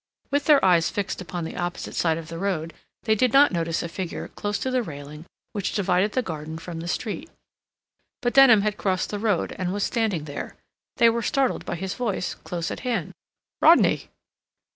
With their eyes fixed upon the opposite side of the road, they did not notice a figure close to the railing which divided the garden from the street. But Denham had crossed the road and was standing there. They were startled by his voice close at hand. "Rodney!"